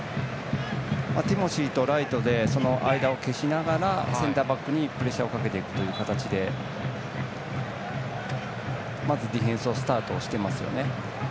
ティモシーとライトで間を消しながらセンターバックにプレッシャーをかけていく形でまずディフェンスをスタートしてますよね。